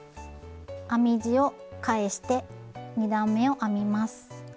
編み地を返して２段めを編みます。